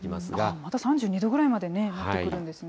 また３２度ぐらいまでね、なってくるんですね。